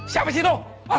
siapa sih itu